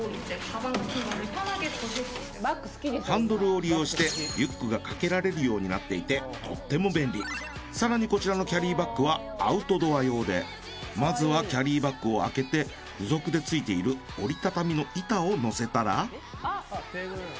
ハンドルを利用してリュックが掛けられるようになっていて更にこちらのキャリーバッグはアウトドア用でまずはキャリーバッグを開けて付属で付いている折り畳みの板を載せたら。